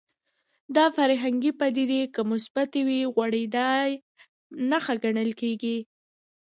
دا فرهنګي پدیدې که مثبتې وي غوړېدا نښه ګڼل کېږي